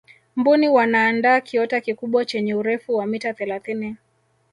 mbuni wanaandaa kiota kikubwa chenye urefu wa mita thelathini